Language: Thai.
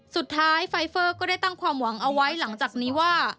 ไฟเฟอร์ก็ได้ตั้งความหวังเอาไว้หลังจากนี้ว่า